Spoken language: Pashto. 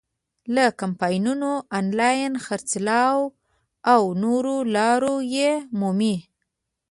له کمپاینونو، آنلاین خرڅلاو او نورو لارو یې مومي.